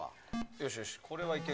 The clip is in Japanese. よしよし、これはいける。